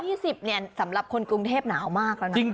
๒๐เนี่ยสำหรับคนกรุงเทพหนาวมากแล้วนะ